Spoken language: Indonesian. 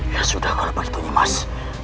ya sudah kalau begitu emas